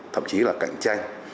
thậm chí là cạnh tranh